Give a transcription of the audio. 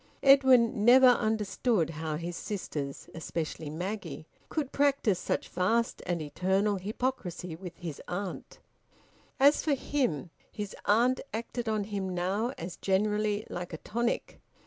Edwin never understood how his sisters, especially Maggie, could practise such vast and eternal hypocrisy with his aunt. As for him, his aunt acted on him now, as generally, like a tonic.